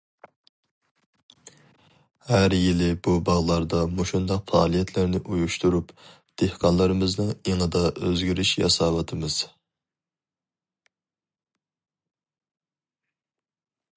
ھەر يىلى بۇ باغلاردا مۇشۇنداق پائالىيەتلەرنى ئۇيۇشتۇرۇپ، دېھقانلىرىمىزنىڭ ئېڭىدا ئۆزگىرىش ياساۋاتىمىز.